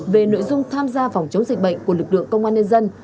về nội dung tham gia phòng chống dịch bệnh của lực lượng công an nhân dân